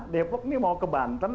depok ini mau ke banten